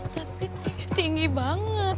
tapi tinggi banget